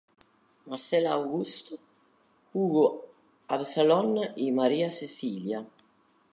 Marcelo Augusto, Hugo Absalón y María Cecilia.